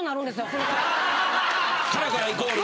カラカライコールね。